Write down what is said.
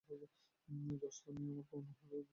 Josh, তুমি আর Connor আমাদের জন্য এখানেই অপেক্ষা করবে।